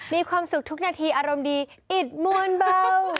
มีความสุขทุกนาทีอารมณ์ดีอิดมวลเบา